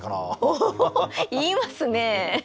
お言いますね。